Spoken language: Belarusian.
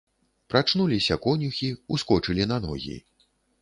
Прачнуліся конюхі, ускочылі на ногі.